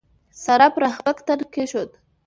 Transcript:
سارا پر احمد تن کېښود.